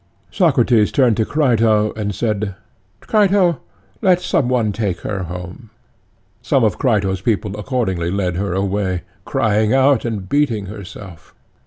Socrates turned to Crito and said: 'Crito, let some one take her home.' Some of Crito's people accordingly led her away, crying out and beating herself.